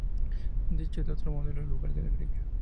Dicho de otro modo: El lugar de la greda.